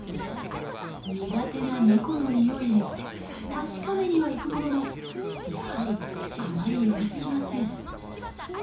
苦手なネコのにおいも確かめには行くもののやはりあまり寄りつきません。